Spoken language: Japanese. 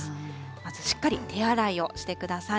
まずしっかりと手洗いをしてください。